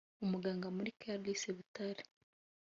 Umuganga muri Caraes Butare